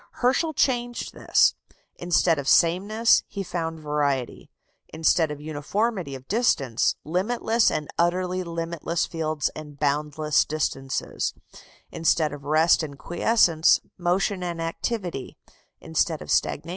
Herschel changed all this. Instead of sameness, he found variety; instead of uniformity of distance, limitless and utterly limitless fields and boundless distances; instead of rest and quiescence, motion and activity; instead of stagnation, life.